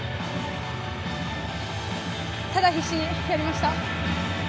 ただ、必死に攻めました。